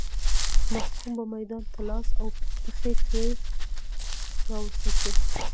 محکوم به میدان ته لاس او پښې تړلی راوستل شو.